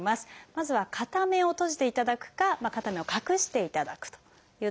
まずは片目を閉じていただくか片目を隠していただくというところから始めてください。